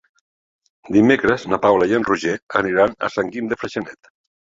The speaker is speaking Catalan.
Dimecres na Paula i en Roger aniran a Sant Guim de Freixenet.